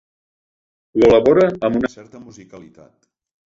Ho elabora amb una certa musicalitat.